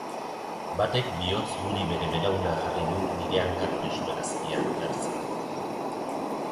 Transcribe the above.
Batek bihotz guri bere belauna jarri du nire hanka tolestuen azpian merci.